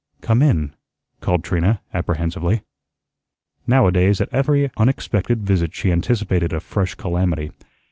"Come in," called Trina, apprehensively. Now a days at every unexpected visit she anticipated a fresh calamity.